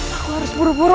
aku harus buru buru